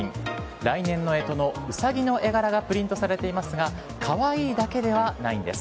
来年の干支のウサギの絵柄がプリントされていますが可愛いだけではないんです。